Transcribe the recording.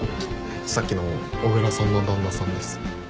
さっきの小椋さんの旦那さんです。